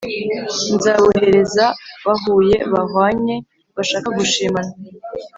Nzabuhereheza bahuye bahwanye bashaka gushimana